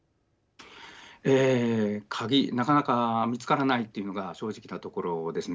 なかなか見つからないというのが正直なところですね。